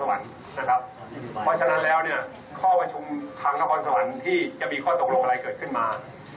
เพราะฉะนั้นแล้วเนี่ยข้อมาชุมทางทะพอลสัวนที่จะมีข้อตรงโลกอะไรเกิดขึ้นมา